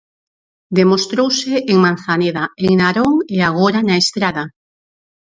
Demostrouse en Manzaneda, en Narón e agora na Estrada.